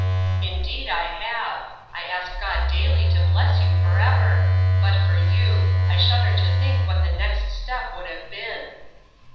" Indeed I have ; I ask God daily to bless you forever. But for you, I shudder to think what the next step would have been."